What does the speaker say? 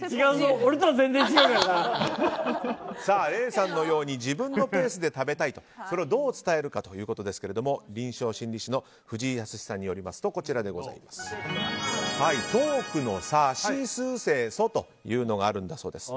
Ａさんのように自分のペースで食べたいそれをどう伝えるかということですが臨床心理士の藤井靖さんによりますとトークの「さしすせそ」というのがあるんだそうです。